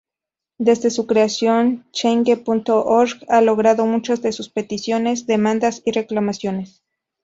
Desde su creación "Change.org" ha logrado muchas de sus peticiones —demandas y reclamaciones—.